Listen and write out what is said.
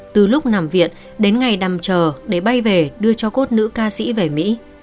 từ lúc nằm viện đến ngày nằm chờ để bay về đưa cho cốt nữ ca sĩ về mỹ